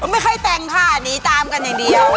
ไม่ค่อยแต่งค่ะหนีตามกันอย่างเดียว